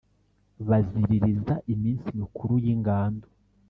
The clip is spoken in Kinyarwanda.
Baziririza iminsi mikuru y'ingando